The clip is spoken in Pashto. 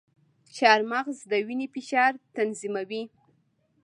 چارمغز د وینې فشار تنظیموي.